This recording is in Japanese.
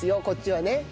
こっちはね。